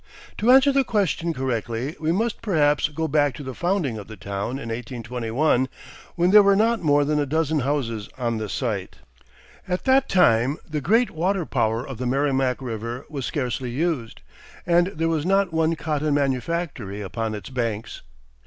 To answer the question correctly, we must perhaps go back to the founding of the town in 1821, when there were not more than a dozen houses on the site. At that time the great water power of the Merrimac River was scarcely used, and there was not one cotton manufactory upon its banks.